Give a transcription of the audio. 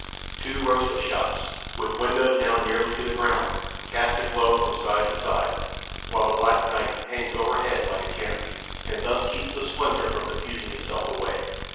Two rows of shops, with windows down nearly to the ground, cast a glow from side to side, while the black night hangs overhead like a canopy, and thus keeps the splendor from diffusing itself away.